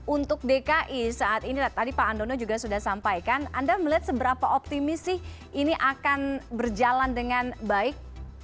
untuk dki saat ini tadi pak andono juga sudah sampaikan anda melihat seberapa optimis sih ini akan berjalan dengan baik